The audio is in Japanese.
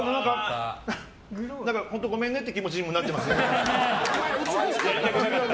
本当ごめんねっていう気持ちにもなってます。